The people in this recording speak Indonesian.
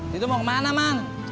titu mau ke mana bang